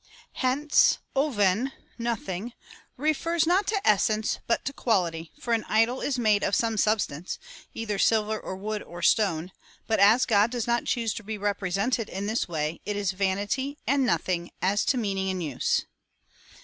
Hence ovSev (nothing) refers not to essence, but to quality — for an idol is made of some sub stance — either silver, or wood, or stone ; but as God docs not choose to be represented in this way, it is vanity and nothing as to meaning and use.